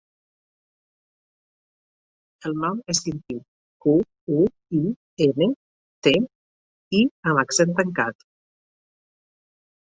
El nom és Quintí: cu, u, i, ena, te, i amb accent tancat.